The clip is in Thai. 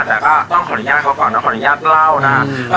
แต่ก็ต้องขออนุญาตเขาก่อนนะขออนุญาตเล่านะครับ